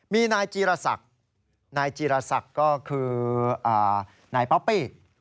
มีนายจีรศักดิ์นายจีรศักดิ์ก็คือนายป๊อปปี้